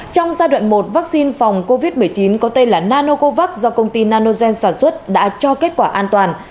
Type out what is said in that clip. trong giai đoạn một vaccine phòng covid một mươi chín có tên là nanocovax do công ty nanogen sản xuất đã cho kết quả an toàn